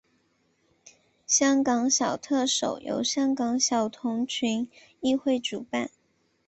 香港小特首由香港小童群益会主办。